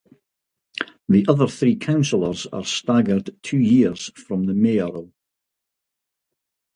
The other three councilors are staggered two years from the mayoral.